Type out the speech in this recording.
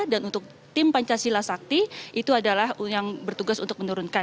dan untuk tim pancasila sakti itu adalah yang bertugas untuk menurunkan